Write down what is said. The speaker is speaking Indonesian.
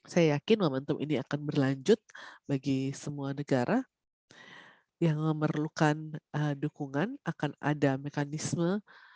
saya yakin momentum ini akan berlanjut bagi semua negara yang memerlukan dukungan akan ada mekanisme